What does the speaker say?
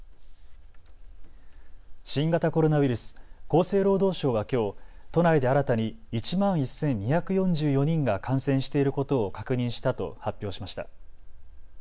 新型コロナウイルス、厚生労働省はきょう都内で新たに１万１２４４人が感染していることを確認したと発表しました。